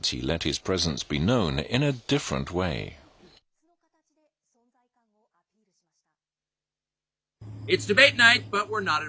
別の形で存在感をアピールしました。